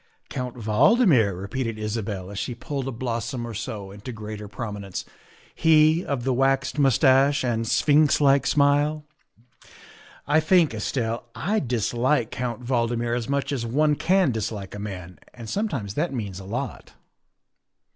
" Count Valdmir," repeated Isabel as she pulled a blossom or so into greater prominence, " he of the waxed mustache and sphinx like smile. I think, Estelle, I dis like Count Valdmir as much as one can dislike a man and sometimes that means a lot."